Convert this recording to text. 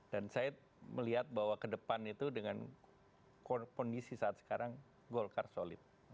dan saya melihat bahwa kedepan itu dengan kondisi saat sekarang golkar solid